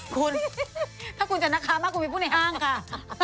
คุณถ้าคุณจะนะค่ะมากกว่าไปพูดในห้างค่ะ